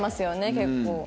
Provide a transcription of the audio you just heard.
結構。